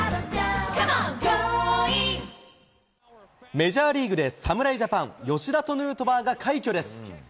メジャーリーグで侍ジャパン、吉田とヌートバーが快挙です。